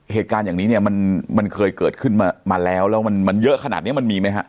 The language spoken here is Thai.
เหตุการณ์อย่างนี้เนี่ยมันเคยเกิดขึ้นมาแล้วแล้วมันเยอะขนาดนี้มันมีไหมฮะ